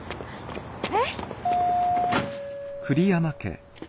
えっ？